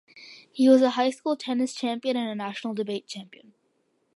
He was high school state tennis champion and a national debate champion.